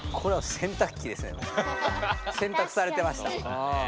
洗濯されてました。